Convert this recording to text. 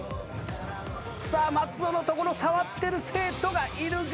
さあ松尾のところ触ってる生徒がいるが。